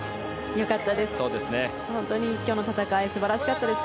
良かったです。